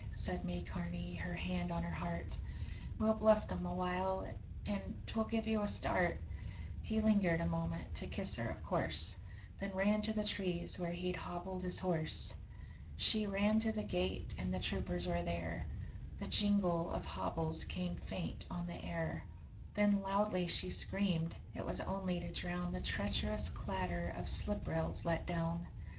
said May Carney her hand on her heart 'We'll bluff them awhile, and 'twill give you a start.' He lingered a moment to kiss her, of course Then ran to the trees where he'd hobbled his horse. She ran to the gate, and the troopers were there The jingle of hobbles came faint on the air Then loudly she screamed: it was only to drown The treacherous clatter of slip rails let down.